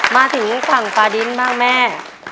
มาถึงฝั่งฟาดินบ้างแม่